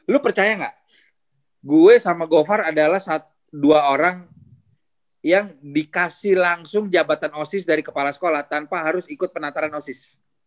lu percaya gak gue sama go far adalah dua orang yang dikasih langsung jabatan osis dari kepala sekolah tanpa harus ikut penantaran osis